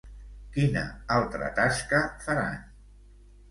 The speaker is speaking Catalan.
Quina altra tasca faran?